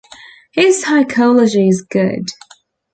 His psychology is good.